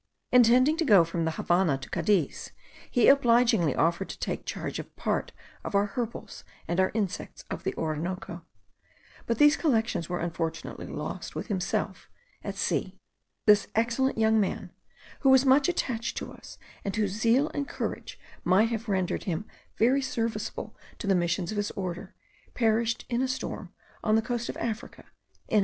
Intending to go from the Havannah to Cadiz, he obligingly offered to take charge of part of our herbals, and our insects of the Orinoco; but these collections were unfortunately lost with himself at sea. This excellent young man, who was much attached to us, and whose zeal and courage might have rendered him very serviceable to the missions of his order, perished in a storm on the coast of Africa, in 1801.